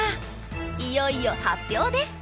いよいよ発表です。